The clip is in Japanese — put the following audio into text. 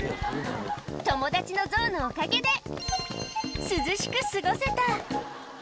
友達の象のおかげで、涼しく過ごせた。